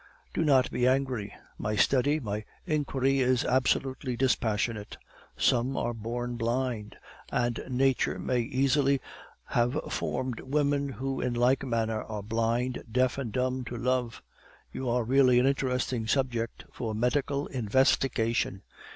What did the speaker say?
Do not be angry; my study, my inquiry is absolutely dispassionate. Some are born blind, and nature may easily have formed women who in like manner are blind, deaf, and dumb to love. You are really an interesting subject for medical investigation.